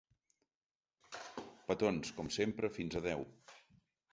Petons, com sempre, fins a deu.